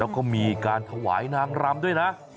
แล้วก็มีการถวายนางรำด้วยนะ